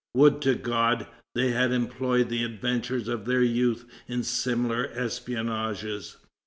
Would to God, they had employed the adventures of their youth in similar espionages!